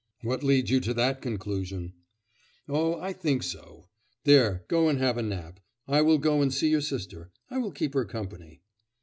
'What leads you to that conclusion?' 'Oh, I think so. There, go and have a nap; I will go and see your sister. I will keep her company.